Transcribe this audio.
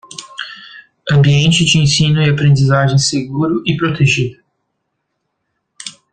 Ambiente de ensino e aprendizagem seguro e protegido